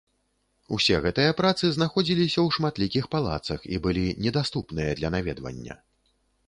Усе гэтыя працы знаходзіліся ў шматлікіх палацах і былі недаступныя для наведвання.